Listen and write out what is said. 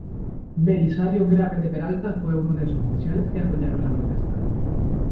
Belisario Grave de Peralta fue uno de esos oficiales que apoyaron la protesta.